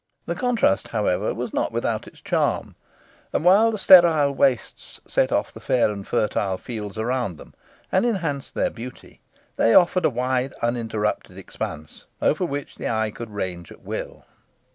The contrast, however, was not without its charm; and while the sterile wastes set off the fair and fertile fields around them, and enhanced their beauty, they offered a wide, uninterrupted expanse, over which the eye could range at will.